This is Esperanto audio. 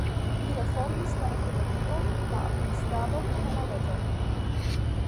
Li reformis la ekonomion, la administradon kaj la leĝon.